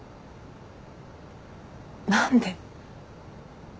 何で？